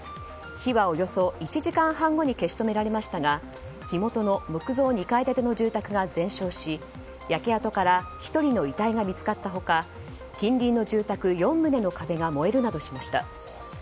火はおよそ１時間半後に消し止められましたが火元の木造２階建ての住宅が全焼し焼け跡から１人の遺体が見つかった他近隣の住宅４棟の壁が燃えるなどしました。